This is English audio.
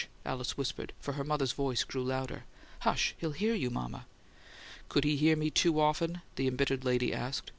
Alice whispered, for her mother's voice grew louder. "Hush! He'll hear you, mama." "Could he hear me too often?" the embittered lady asked.